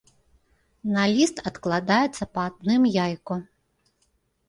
На ліст адкладаецца па адным яйку.